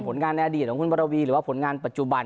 ผลงานในอดีตของคุณบรวีหรือว่าผลงานปัจจุบัน